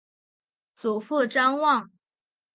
祖父张旺。